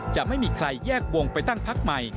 จะไม่มีใครแยกวงไปตั้งพักใหม่